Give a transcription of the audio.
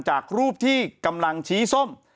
จากรูปที่กำลังชี้ส้ม